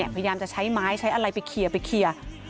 พยายามจะใช้ไม้ใช้อะไรไปเคลียร์ไปเคลียร์